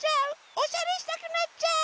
おしゃれしたくなっちゃう！